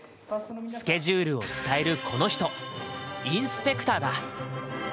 スケジュールを伝えるこの人「インスペクター」だ。